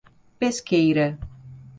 Pesqueira